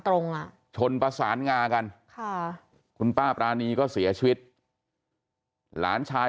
ตรงอ่ะชนประสานงากันค่ะคุณป้าปรานีก็เสียชีวิตหลานชาย